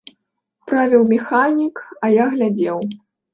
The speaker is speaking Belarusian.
Правіў механік, а я глядзеў.